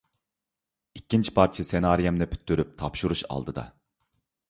ئىككىنچى پارچە سېنارىيەمنى پۈتتۈرۈپ تاپشۇرۇش ئالدىدا.